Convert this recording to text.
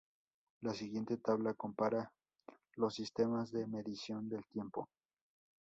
La siguiente tabla compara los sistemas de medición del tiempo.